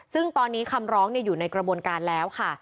ซึ่งตอนนี้คำร้องอยู่ในกระบวนการแล้วค่ะ